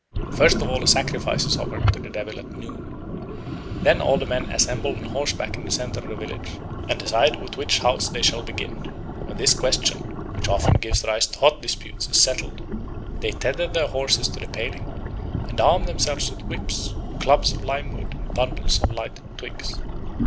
First of all a sacrifice is offered to the Devil at noon. Then all the men assemble on horseback in the centre of the village, and decide with which house they shall begin. When this question, which often gives rise to hot disputes, is settled, they tether their horses to the paling, and arm themselves with whips, clubs of lime wood and bundles of lighted twigs.